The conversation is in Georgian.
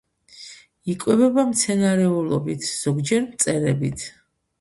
იკვებება მცენარეულობით, ზოგჯერ მწერებით.